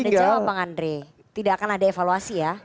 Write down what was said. bang andre tidak akan ada evaluasi ya